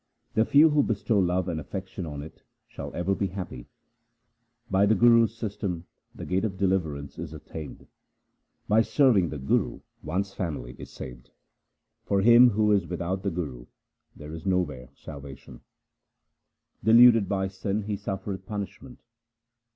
The few who bestow love and affection on it, Shall ever be happy. By the Guru's system the gate of deliverance is attained. By serving the true Guru one's family is saved. For him who is without the Guru there is nowhere salvation ; Deluded by sin he suffereth punishment.